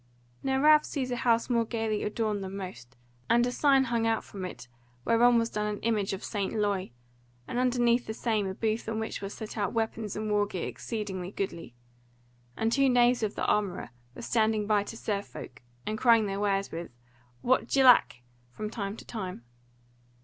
Now Ralph sees a house more gaily adorned than most, and a sign hung out from it whereon was done an image of St. Loy, and underneath the same a booth on which was set out weapons and war gear exceeding goodly; and two knaves of the armourer were standing by to serve folk, and crying their wares with "what d'ye lack?" from time to time.